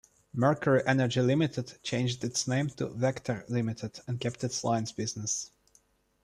Mercury Energy Limited changed its name to Vector Limited and kept its lines business.